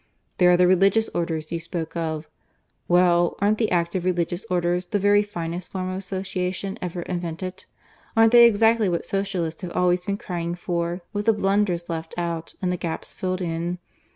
There are the Religious Orders you spoke of. Well, aren't the active Religious Orders the very finest form of association ever invented? Aren't they exactly what Socialists have always been crying for, with the blunders left out and the gaps filled in?